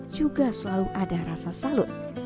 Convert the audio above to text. juga selalu ada rasa salut